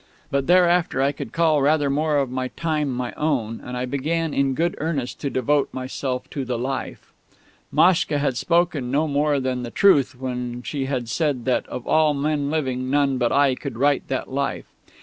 But thereafter I could call rather more of my time my own, and I began in good earnest to devote myself to the "Life." Maschka had spoken no more than the truth when she had said that of all men living none but I could write that "Life."